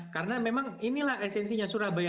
karena memang inilah esensinya surabaya